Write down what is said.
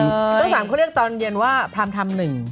ต้นทั้ง๓เขาเรียกตอนเย็นว่าพรรมทัมศ์๑